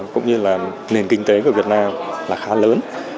cũng như là nền kinh tế của việt nam là khá lớn